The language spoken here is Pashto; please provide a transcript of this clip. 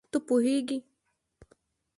ته پوهېږې